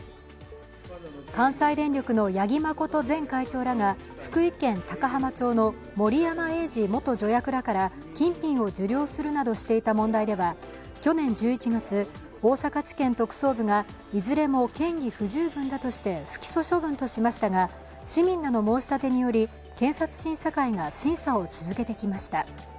関西電力の八木誠前会長らが福井県高浜町の森山栄治元助役らから金品を受領するなどしていた問題では去年１１月、大阪地検特捜部がいずれも嫌疑不十分だとして不起訴処分としましたが、市民らの申し立てにより、検察審査会が審査を続けてきました。